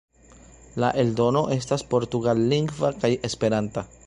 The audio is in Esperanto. La eldono estas portugallingva kaj esperanta.